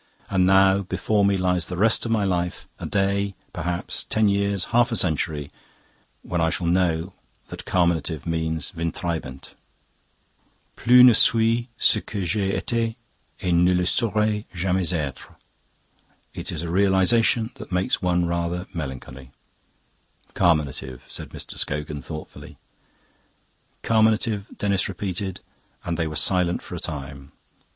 And now, before me lies the rest of my life a day, perhaps, ten years, half a century, when I shall know that carminative means windtreibend. 'Plus ne suis ce que j'ai ete Et ne le saurai jamais etre.' It is a realisation that makes one rather melancholy." "Carminative," said Mr. Scogan thoughtfully. "Carminative," Denis repeated, and they were silent for a time.